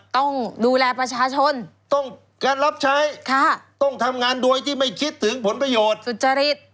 ต้องดูแลประชาชนต้องการรับใช้ค่ะต้องทำงานโดยที่ไม่คิดถึงผลประโยชน์สุจริต